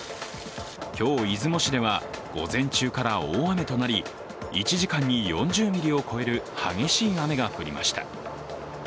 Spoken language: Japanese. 今日、出雲市では午前中から大雨となり、１時間に４０ミリを超える激しい雨が降りました。